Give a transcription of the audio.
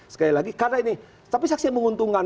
sekali lagi karena ini tapi saksi yang menguntungkan